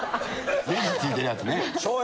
ネジついてるやつね。